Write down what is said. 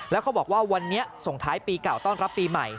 แล้วเขาบอกว่าวันนี้ส่งท้ายปีเก่าต้อนรับปีใหม่